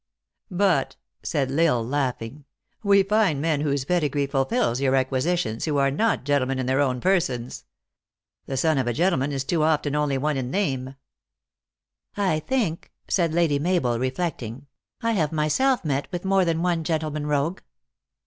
" But," said L Isle, laughing, " we find men whose pedigree fulfills your requisitions, who are not gentle men in their own persons. The son of a gentleman is too often one only in name." " I think," said Lady Mabel, reflecting, " I have myself met with more than one gentleman rogue."